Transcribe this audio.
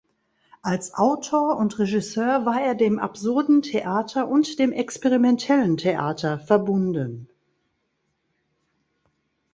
Als Autor und Regisseur war er dem absurden Theater und dem experimentellen Theater verbunden.